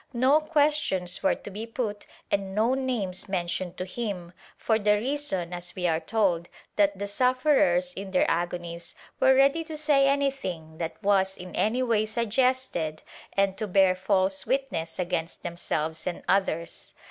No questions were to be put and no names mentioned to him, for the reason, as we are told, that the sufferers in their agonies were ready to say anything that was in any way suggested, and to bear false witness against themselves and others.